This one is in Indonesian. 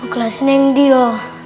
kelasnya yang dia